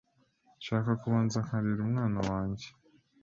Nshaka kubanza nkarera umwana wanjye